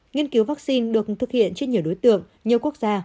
nghiên cứu vaccine được thực hiện trên nhiều đối tượng nhiều quốc gia